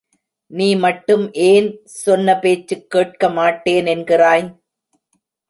நீ மட்டும் ஏன் சொன்ன பேச்சுக் கேட்கமாட்டேன் என்கிறாய்!